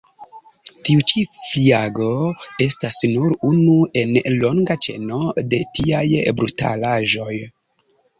Tiu ĉi fiago estas nur unu en longa ĉeno de tiaj brutalaĵoj.